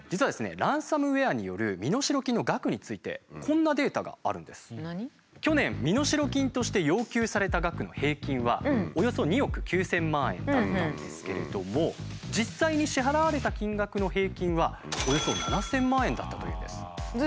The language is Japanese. ランサムウエアによる去年身代金として要求された額の平均はおよそ２億９，０００万円だったんですけれども実際に支払われた金額の平均はおよそ７，０００万円だったというんです。